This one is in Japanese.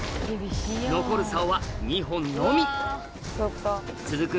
残る竿は２本のみ続く